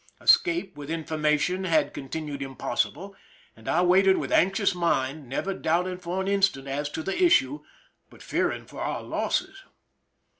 Escape with information had continued impossible, and I waited with anxious mind, never doubting for an instant as to the issue, but fearing for our losses.